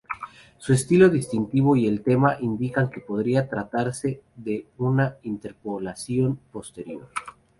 Su estilo distintivo y el tema indican que podría tratarse de una interpolación posterior.